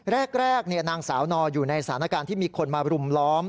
แรกนางสาวนออยู่ในสถานการณ์ที่มีคนมารุมล้อม